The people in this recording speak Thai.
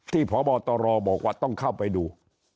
พบตรบอกว่าต้องเข้าไปดู